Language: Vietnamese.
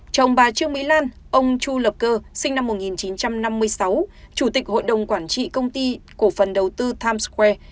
chồng bà trương mỹ lan ông chu lập cơ sinh năm một nghìn chín trăm năm mươi sáu chủ tịch hội đồng quản trị công ty cổ phần đầu tư times square